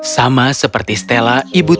sama seperti stella ibu tiri meminta masalah